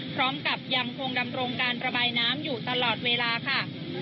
พร้อมกับยังคงดำรงการระบายน้ำอยู่ตลอดเวลาค่ะ